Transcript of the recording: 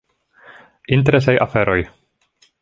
Interesaj aferoj.